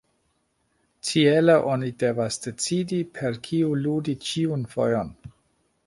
Tiele oni devas decidi per kiu ludi ĉiun fojon.